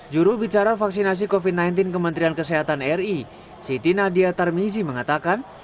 juru bicara vaksinasi covid sembilan belas kementerian kesehatan ri siti nadia tarmizi mengatakan